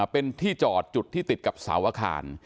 เป็นที่จอดจุดที่ติดกับเสาอาคาร